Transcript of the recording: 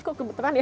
kok kebetulan ya